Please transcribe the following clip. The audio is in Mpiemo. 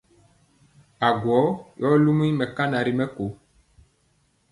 Agwɔ yɔ lum mɛkana ri mɛko.